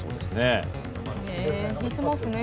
引いてますね。